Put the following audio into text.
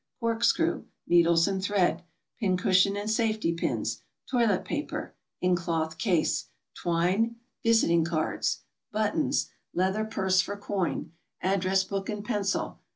Corkscrew. Needles and thread. Pin cushion and safety pins. Toilet paper (in cloth case). Twine. Visiting cards. I 222 GOING ABROAD? Buttons. Leather purse for coin. Address book and pencil.